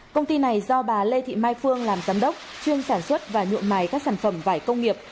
công ty này do bà lê thị mai phương làm giám đốc chuyên sản xuất và nhuộm mài các sản phẩm vải công nghiệp